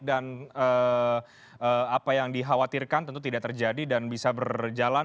dan apa yang dikhawatirkan tentu tidak terjadi dan bisa berjalan